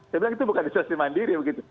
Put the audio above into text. saya bilang itu bukan isolasi mandiri begitu